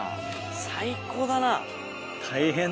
最高だな。